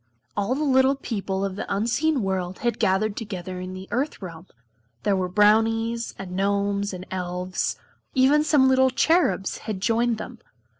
All the little people of the Unseen world had gathered together in the Earth realm. There were Brownies, and Gnomes, and Elves; even some little Cherubs had joined them.